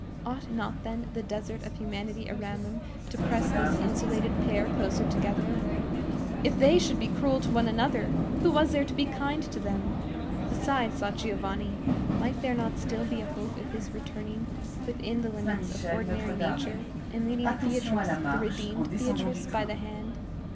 Ought not, then, the desert of humanity around them to press this insulated pair closer together? If they should be cruel to one another, who was there to be kind to them? Besides, thought Giovanni, might there not still be a hope of his returning within the limits of ordinary nature, and leading Beatrice, the redeemed Beatrice, by the hand?